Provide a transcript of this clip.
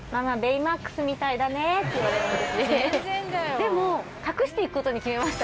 でも隠していく事に決めました